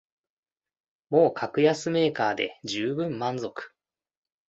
もう格安メーカーでじゅうぶん満足